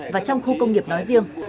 và trong khu công nghiệp nói riêng